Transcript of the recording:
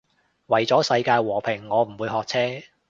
為咗世界和平我唔會學車